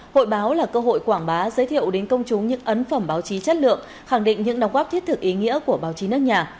hội báo là cơ hội quảng bá giới thiệu đến công chúng những ấn phẩm báo chí chất lượng khẳng định những đóng góp thiết thực ý nghĩa của báo chí nước nhà